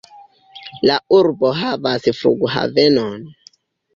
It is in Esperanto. La urbo havas flughavenon.